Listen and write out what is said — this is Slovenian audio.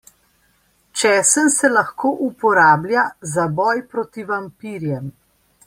Česen se lahko uporablja za boj proti vampirjem.